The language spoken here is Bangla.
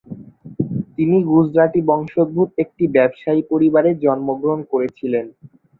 তিনি গুজরাটি বংশোদ্ভূত একটি ব্যবসায়ী পরিবারে জন্মগ্রহণ করেন।